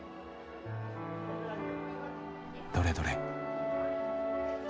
どれどれ。